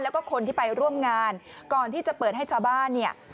แล้วก็คนที่ไปร่วมงานก่อนที่จะเปิดให้ชาวบ้านเนี่ย